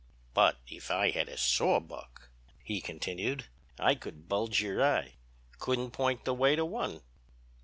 "'But if I had a sawbuck," he continued, "I could bulge your eye .... Couldn't point the way to one?'